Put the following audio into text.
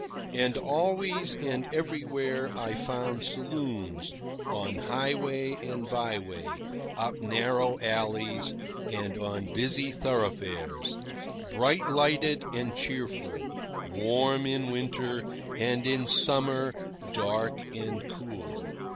And always and everywhere I found saloons, on highway and byway, up narrow alleys and on busy thoroughfares, bright lighted and cheerful, warm in winter, and in summer dark and cool.